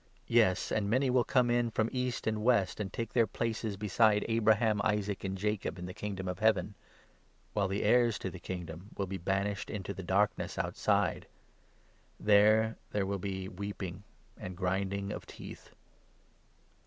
Yes, and many will come in from Sast and West 1 1 and take their places beside Abraham, Isaac, and Jacob, in the Kingdom of Heaven ; while the heirs to the Kingdom will 12 be ' banished into the darkness ' outside ; there, there will be weeping and grinding of teeth."